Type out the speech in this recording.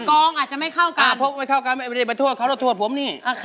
กองอาจจะไม่เข้ากันน่ะอาพบไม่เข้ากันอย่าไปถวดเขาหรอถวดผมนี่ค่ะ